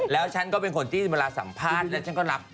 แล้วฉันก็เป็นคนที่เวลาสัมภาษณ์แล้วฉันก็รับ